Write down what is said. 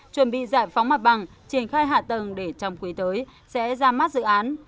chuẩn bị giải phóng mặt bằng triển khai hạ tầng để trong quý tới sẽ ra mắt dự án